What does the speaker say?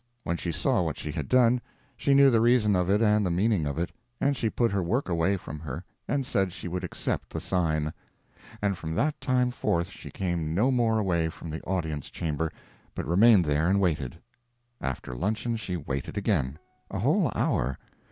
When she saw what she had done, she knew the reason of it and the meaning of it; and she put her work away from her and said she would accept the sign. And from that time forth she came no more away from the Audience Chamber, but remained there and waited. After luncheon she waited again. A whole hour.